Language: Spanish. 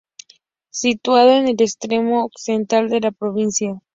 Situado en el extremo occidental de la provincia.